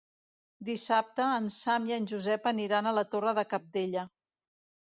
Dissabte en Sam i en Josep aniran a la Torre de Cabdella.